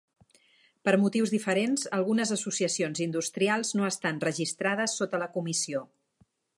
Per motius diferents, algunes associacions industrials no estan registrades sota la comissió.